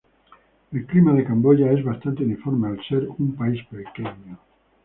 El clima de Camboya es bastante uniforme, al ser un país pequeño.